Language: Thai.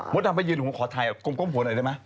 ดำไปยืนผมขอถ่ายกลมหัวหน่อยได้ไหม